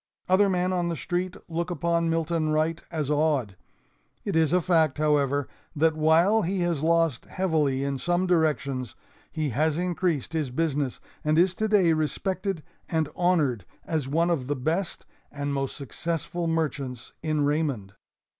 Other men on the street look upon Milton Wright as odd. It is a fact, however, that while he has lost heavily in some directions, he has increased his business, and is today respected and honored as one of the best and most successful merchants in Raymond.